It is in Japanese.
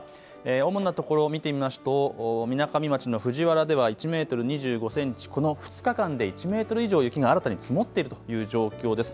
主なところを見てみますとみなかみ町の藤原では１メートル２５センチ、この２日間で１メートル以上雪が新たに積もっているという状況です。